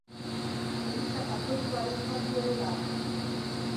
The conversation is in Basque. Eliza Katolikoaren santu ere bada.